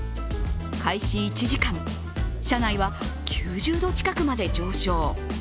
開始１時間、車内は９０度近くまで上昇。